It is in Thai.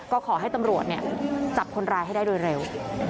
ก็ขอให้ตำรวจจับคนร้ายให้ได้โดยเร็ว